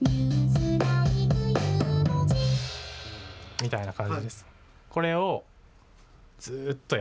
みたいな感じです。